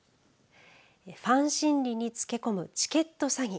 ファン心理につけ込むチケット詐欺。